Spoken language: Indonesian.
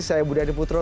saya budi adiputro